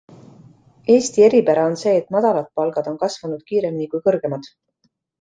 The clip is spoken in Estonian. Eesti eripära on see, et madalad palgad on kasvanud kiiremini kui kõrgemad.